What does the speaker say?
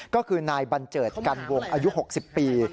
ก็คือนายบัญเจิดกันวงอายุ๖๐ปี